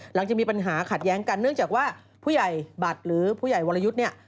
หลังจากมีปัญหาขัดแย้งกันเนื่องจากว่าผู้ใหญ่บัตรหรือผู้ใหญ่วรยุทธ์เนี่ย